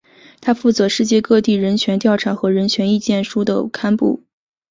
它负责世界各地人权调查和人权意见书的刊布。